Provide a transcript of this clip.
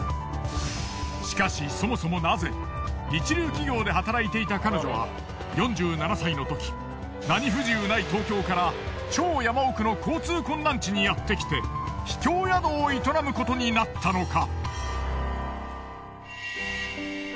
しかしそもそもナゼ一流企業で働いていた彼女は４７歳のとき何不自由ない東京から超山奥の交通困難地にやってきて秘境宿を営むことになったのか！？